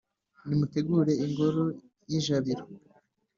nimutegure ingoro y’ijabiro